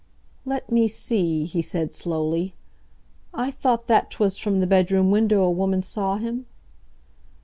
"Let me see," he said slowly. "I thought that 'twas from the bedroom window a woman saw him?"